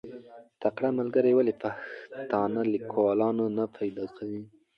تکړه ملګري ولې پښتانه لیکوالان نه پیدا کوي؟